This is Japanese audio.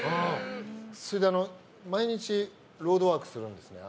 それで、毎日ロードワークするんですね。